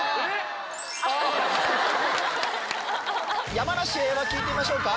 山梨英和聞いてみましょうか。